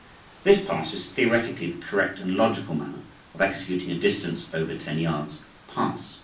This pass is theoretically the correct and logical manner of executing a distance (over ten yards) pass.